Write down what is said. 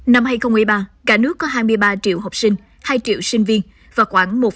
năm hai nghìn một mươi ba cả nước có hai mươi ba triệu học sinh hai triệu sinh viên và khoảng một năm triệu học sinh